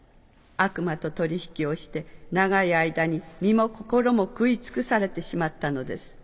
悪魔と取引をして長い間に身も心も食い尽くされてしまったのです。